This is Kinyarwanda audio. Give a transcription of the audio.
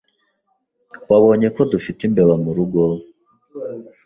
Wabonye ko dufite imbeba murugo?